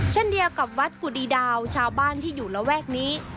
เช่นเดียวกับวัดกุดีดาวชาวบ้านที่อยู่ระแวกนี้